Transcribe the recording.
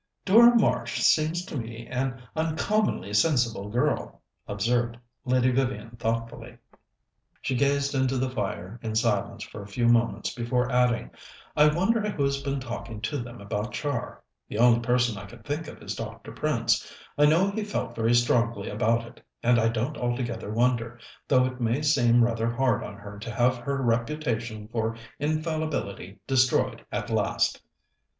"Dora Marsh seems to me to be an uncommonly sensible girl," observed Lady Vivian thoughtfully. She gazed into the fire in silence for a few moments before adding: "I wonder who's been talking to them about Char? The only person I can think of is Dr. Prince. I know he felt very strongly about it, and I don't altogether wonder, though it may seem rather hard on her to have her reputation for infallibility destroyed at last."